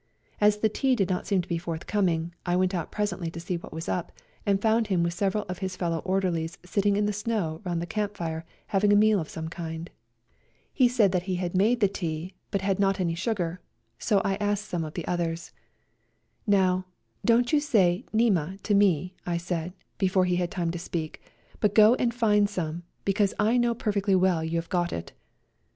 As the tea did not seem to be forthcoming, I went out presently to see what was up, and found him with several of his fellow orderlies sitting in the snow round the camp fire having a meal of some kind. He said he had made the tea, but had not A COLD NIGHT RIDE 83 any sugar; so I asked some of the others. " Now, don't you say ' Nema ' to me," I said, before he had time to speak, " but go and find some, because I know per fectly well you have got it."